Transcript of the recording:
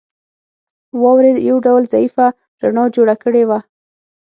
واورې یو ډول ضعیفه رڼا جوړه کړې وه